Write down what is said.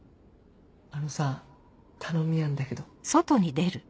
あのさ頼みあんだけど。